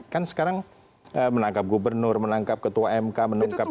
kan sekarang menangkap gubernur menangkap ketua mk menangkap